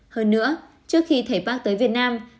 hơn nữa trước khi thầy park tới việt nam